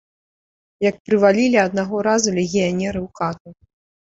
Як прывалілі аднаго разу легіянеры ў хату.